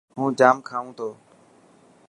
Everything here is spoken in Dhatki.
هون ڄام کائون تو.